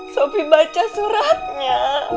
sopi baca suratnya